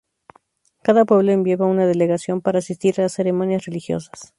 Cada pueblo enviaba una delegación para asistir a las ceremonias religiosas.